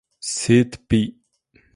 Seed Pl.